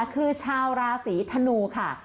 คือชาวราศีธนูค่ะ